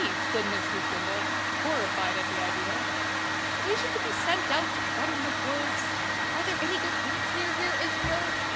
said Miss Lucinda, horrified at the idea. "I wish he could be sent out to run in the woods. Are there any good woods near here, Israel?"